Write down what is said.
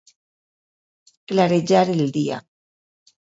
Clarejar el dia.